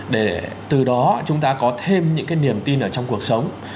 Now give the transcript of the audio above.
để từ đó chúng ta có thêm những cái niềm tin ở trong cuộc sống